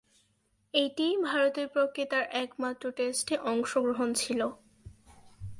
এটিই ভারতের পক্ষে তার একমাত্র টেস্টে অংশগ্রহণ ছিল।